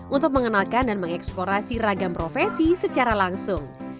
untuk mengenalkan dan mengeksplorasi ragam profesi secara langsung